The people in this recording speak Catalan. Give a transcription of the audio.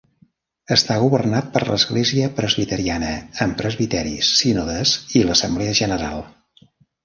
Està governat per l'església presbiteriana amb presbiteris, sínodes i l'Assemblea General.